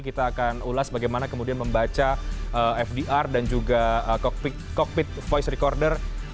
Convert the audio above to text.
kita akan ulas bagaimana kemudian membaca fdr dan juga cockpit voice recorder